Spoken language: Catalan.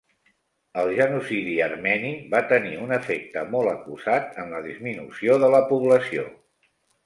El genocidi armeni va tenir un efecte molt acusat en la disminució de la població.